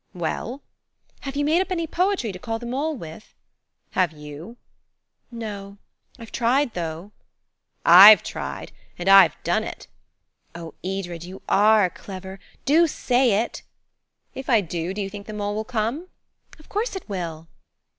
"Well?" "Have you made up any poetry to call the mole with?" "Have you?" "No; I've tried, though." "I've tried. And I've done it." "Oh, Edred, you are clever. Do say it." "If I do, do you think the mole will come?" "Of course it will."